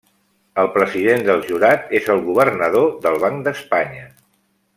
El president del jurat és el governador del Banc d'Espanya.